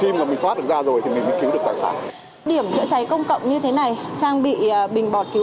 được ra rồi thì mình cứu được tài sản điểm chữa cháy công cộng như thế này trang bị bình bọt cứu